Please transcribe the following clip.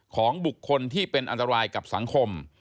ของบุคคลที่เป็นอันตรายกับสังคม